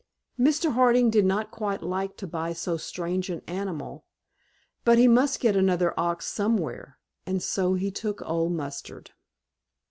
Mr. Harding did not quite like to buy so strange an animal, but he must get another ox somewhere, and so he took Old Mustard.